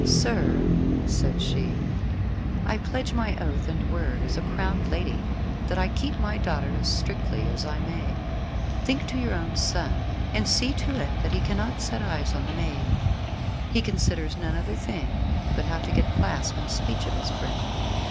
"Sir," said she, "I pledge my oath and word as a crowned lady that I keep my daughter as strictly as I may. Think to your own son, and see to it that he cannot set eyes on the maid. He considers none other thing but how to get clasp and speech of his friend."